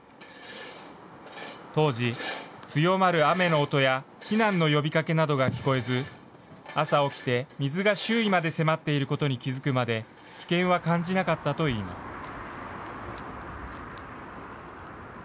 当時、強まる雨の音や避難の呼びかけなどが聞こえず、朝起きて、水が周囲まで迫っていることに気付くまで、危険は感じなかったといいます。